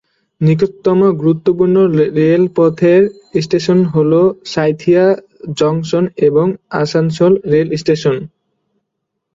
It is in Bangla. নিকটতম গুরুত্বপূর্ণ রেলপথের স্টেশন হল সাঁইথিয়া জংশন এবং আসানসোল রেল স্টেশন।